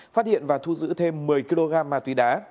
phát hiện và thu giữ thêm một mươi kg ma túy đá